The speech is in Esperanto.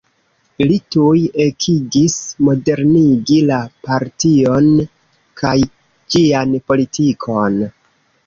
Li tuj ekigis modernigi la partion kaj ĝian politikon.